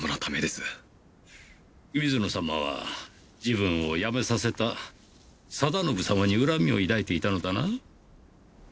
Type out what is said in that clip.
水野様は自分を辞めさせた定信様に恨みを抱いていたのだな？